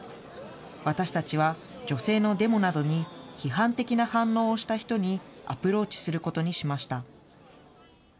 私たちは女性のデモなどに批判的な反応をした人にアプローチすることにしました。